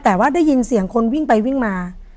แต่ว่าได้ยินเสียงคนวิ่งไปวิ่งมา